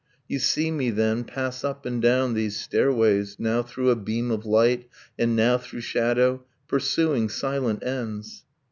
You see me, then, pass up and down these stairways, Now through a beam of light, and now through shadow, Pursuing silent ends.